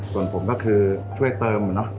ส่วนผมก็คือช่วยเติม